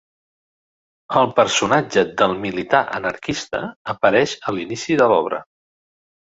El personatge del militar anarquista apareix a l'inici de l'obra.